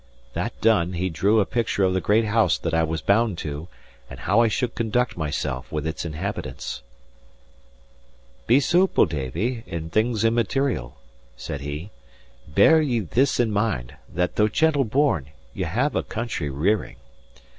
That done, he drew a picture of the great house that I was bound to, and how I should conduct myself with its inhabitants. "Be soople, Davie, in things immaterial," said he. "Bear ye this in mind, that, though gentle born, ye have had a country rearing.